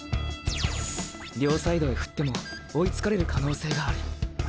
両サイドへ振っても追いつかれる可能性がある。